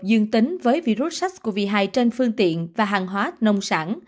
dương tính với virus sars cov hai trên phương tiện và hàng hóa nông sản